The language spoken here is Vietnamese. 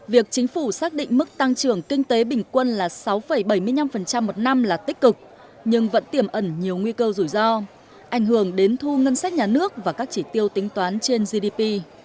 việc chính phủ xác định mức tăng trưởng kinh tế bình quân là sáu bảy mươi năm một năm là tích cực nhưng vẫn tiềm ẩn nhiều nguy cơ rủi ro ảnh hưởng đến thu ngân sách nhà nước và các chỉ tiêu tính toán trên gdp